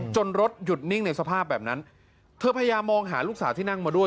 รถหยุดนิ่งในสภาพแบบนั้นเธอพยายามมองหาลูกสาวที่นั่งมาด้วย